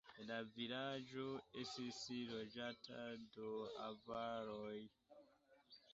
La vilaĝo estis loĝata de avaroj.